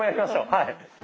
はい。